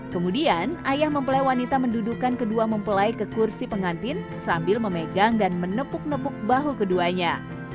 kemudian ayah mempelai wanita mendudukan kedua mempelai ke kursi pengantin sambil memegang dan menepuk nepuk bahu keduanya